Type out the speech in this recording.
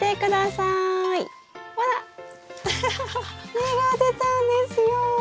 芽が出たんですよ。